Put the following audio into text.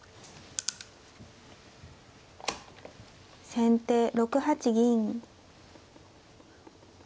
先手６八銀。